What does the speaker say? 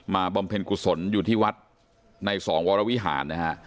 บำเพ็ญกุศลอยู่ที่วัดในสองวรวิหารนะฮะ